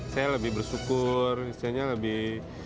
saya lebih bersyukur istilahnya lebih